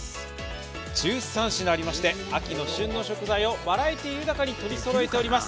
１３品ありまして秋の旬の食材をバラエティー豊かにそろえております。